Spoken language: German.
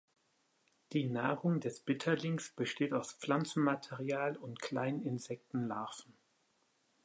Die Nahrung des Bitterlings besteht aus Pflanzenmaterial und kleinen Insektenlarven.